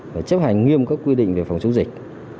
và chấp hành nghiêm các quy định về công tác phòng chống dịch